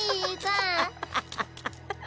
ハハハハハ。